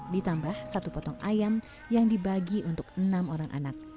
ditambah satu potong ayam yang dibagi untuk enam orang anak